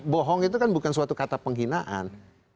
bohong itu kan bukan suatu kata penghinaan